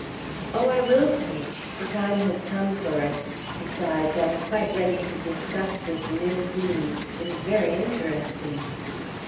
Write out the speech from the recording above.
"Oh, I will speak! The time has come for it. Besides, I'm quite ready to discuss this new theme; it is very interesting."